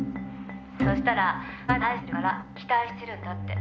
「そしたらまだ愛してるから期待してるんだって」